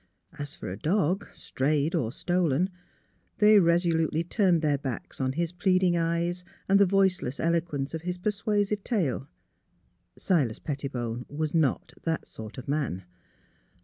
As for a dog, strayed or stolen, they resolutely turned their backs on his pleading eyes and the voiceless eloquence of his persuasive tail. Silas Pettibone was not that sort of a man.